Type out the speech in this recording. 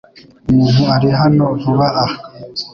Umuntu ari hano vuba aha .